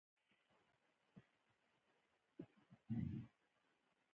په سترګو کې یې زموږ په لیدو د ډاډ او مننې موسکا وه.